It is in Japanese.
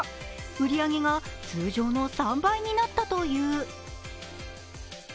売り上げが通常の３倍になったという。